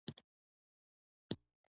دا شړۍ پر هغې بلې سر لري.